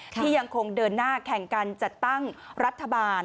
ที่ยังคงเดินหน้าแข่งกันจัดตั้งรัฐบาล